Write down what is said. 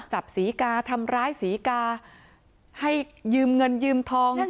ศรีกาทำร้ายศรีกาให้ยืมเงินยืมทอง